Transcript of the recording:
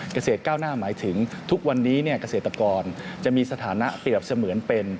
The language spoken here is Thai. เกษตรก้าวหน้าหมายถึงทุกวันนี้เกษตรกรจะมีสถานะเปรียบเสมือนเป็น